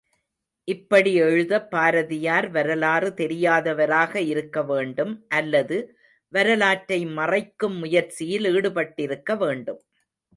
இப்படி எழுதப் பாரதியார் வரலாறு தெரியாதவராக இருக்க வேண்டும் அல்லது வரலாற்றை மறைக்கும் முயற்சியில் ஈடுபட்டிருக்க வேண்டும்.